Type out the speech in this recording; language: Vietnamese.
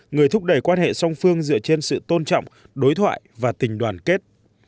người thúc đẩy quan hệ song phương dựa trên sự tôn trọng đối thoại và tình đoàn kết